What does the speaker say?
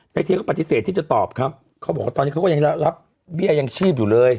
เทียก็ปฏิเสธที่จะตอบครับเขาบอกว่าตอนนี้เขาก็ยังรับเบี้ยยังชีพอยู่เลย